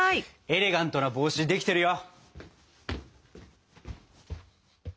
エレガントな帽子できてるよ！